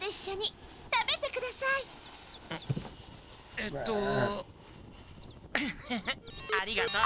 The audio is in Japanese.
えっとフフフありがとう。